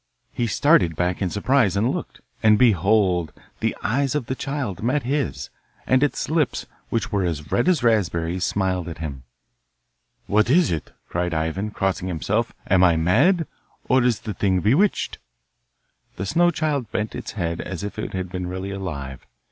He started back in surprise and looked and behold! the eyes of the child met his, and its lips, which were as red as raspberries, smiled at him! 'What is it?' cried Ivan, crossing himself. 'Am I mad, or is the thing bewitched?' The snow child bent its head as if it had been really alive.